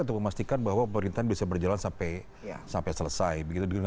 untuk memastikan bahwa pemerintahan bisa berjalan sampai selesai